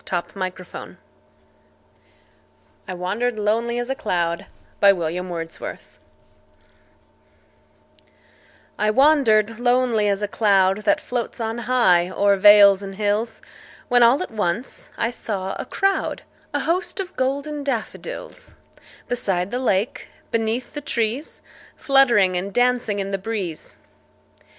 William Wordsworth I Wandered Lonely As a Cloud I WANDERED lonely as a cloud That floats on high o'er vales and hills, When all at once I saw a crowd, A host, of golden daffodils; Beside the lake, beneath the trees, Fluttering and dancing in the breeze.